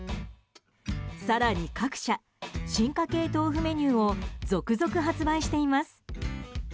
更に各社、進化系豆腐メニューを続々、発売しています。